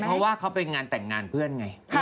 เพราะว่าเขาไปงานแต่งงานเพื่อนไง